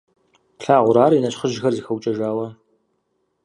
Плъагъурэ ар, и нэщхъыжьхэр зэхэукӀэжауэ!